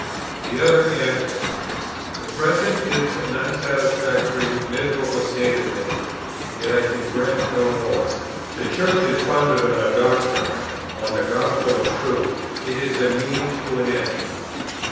The other answers: "The present is an unsatisfactory, miserable state of things, yet I can grant no more. The Church is founded on a doctrine, on the gospel of Truth; it is a means to an end.